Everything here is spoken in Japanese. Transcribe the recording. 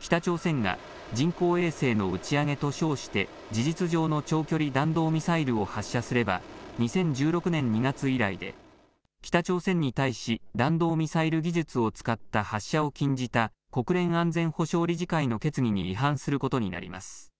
北朝鮮が人工衛星の打ち上げと称して事実上の長距離弾道ミサイルを発射すれば２０１６年２月以来で北朝鮮に対し弾道ミサイル技術を使った発射を禁じた国連安全保障理事会の決議に違反することになります。